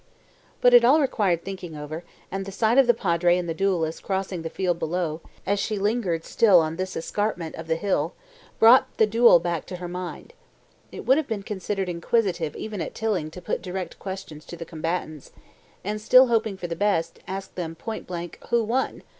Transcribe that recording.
... But it all required thinking over, and the sight of the Padre and the duellists crossing the field below, as she still lingered on this escarpment of the hill, brought the duel back to her mind. It would have been considered inquisitive even at Tilling to put direct questions to the combatants, and (still hoping for the best) ask them point blank "Who won?"